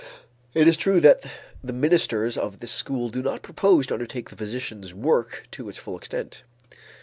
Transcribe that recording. It is true that the ministers of this school do not propose to undertake the physician's work to its full extent.